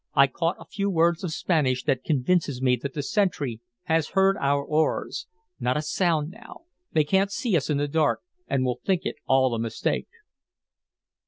"I caught a few words of Spanish that convinces me that the sentry has heard our oars. Not a sound now! They can't see us in the dark, and will think it all a mistake."